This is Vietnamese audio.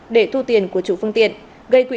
để thu tiền của chủ phương tiện gây quỹ